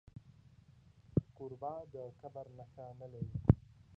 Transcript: کوربه د کبر نښه نه لري.